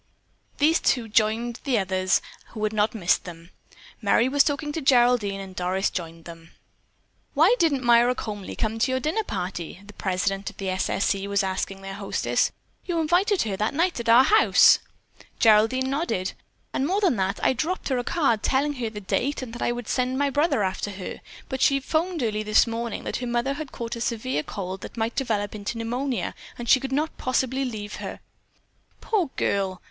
These two joined the others, who had not missed them. Merry was talking to Geraldine and Doris joined them. "Why didn't Myra Comely come to your dinner party?" the president of the "S. S. C." was asking their hostess. "You invited her that night at our house." Geraldine nodded. "And, more than that, I dropped her a card telling her the date and that I would send my brother after her, but she 'phoned early this morning that her mother had caught a severe cold that might develop into pneumonia and she could not possibly leave her." "Poor girl!"